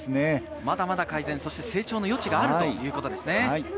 まだまだ改善、そして成長の余地があるということですよね。